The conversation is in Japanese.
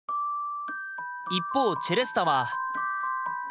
一方チェレスタは。